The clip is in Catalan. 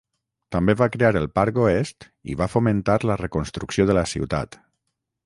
També va crear el Parc Oest i va fomentar la reconstrucció de la ciutat.